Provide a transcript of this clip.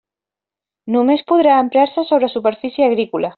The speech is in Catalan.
Només podrà emprar-se sobre superfície agrícola.